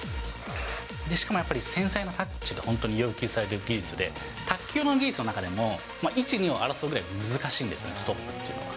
しかもやっぱり繊細なタッチが本当に要求される技術で、卓球の技術の中でも、１、２を争うぐらい難しいんですね、ストップっていうのは。